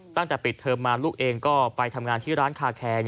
ตั้งแต่ปิดเทอมมาลูกเองก็ไปทำงานที่ร้านคาแคร์